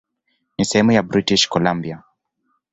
Ni sehemu ya British Columbia.